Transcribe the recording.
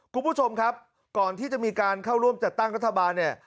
คุณผู้ชมครับก่อนที่จะมีการเข้าร่วมจัดตั้งรัฐบาลเนี่ย